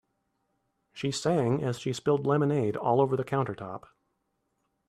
She sang as she spilled lemonade all over the countertop.